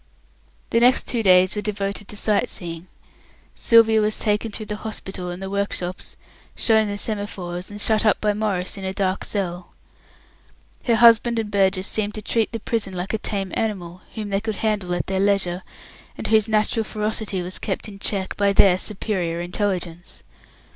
The next two days were devoted to sight seeing. Sylvia was taken through the hospital and the workshops, shown the semaphores, and shut up by Maurice in a "dark cell". Her husband and Burgess seemed to treat the prison like a tame animal, whom they could handle at their leisure, and whose natural ferocity was kept in check by their superior intelligence.